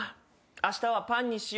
あしたはパンにしよう。